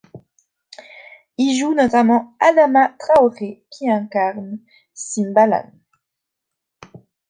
Y joue notamment Adama Traoré qui incarne Simbalan.